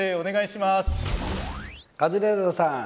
カズレーザーさん